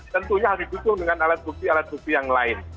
tentunya harus didukung dengan alat bukti alat bukti yang lain